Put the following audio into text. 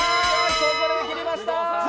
ここで切れました！